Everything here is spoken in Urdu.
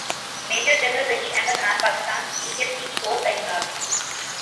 major general Zaheer Ahmed Khan Pakistan steel کے سی ای او تعینات